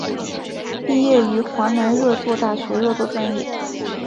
毕业于华南热作大学热作专业。